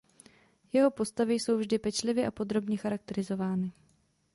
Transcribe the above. Jeho postavy jsou vždy pečlivě a podrobně charakterizovány.